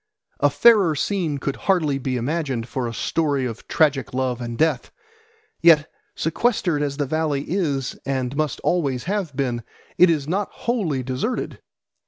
A fairer scene could hardly be imagined for a story of tragic love and death. Yet, sequestered as the valley is and must always have been, it is not wholly deserted.